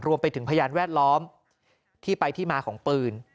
รวมไปถึงพยานแวดล้อมที่ไปที่มาของปืน